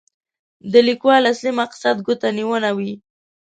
د لیکوال اصلي مقصد ګوتنیونه وي.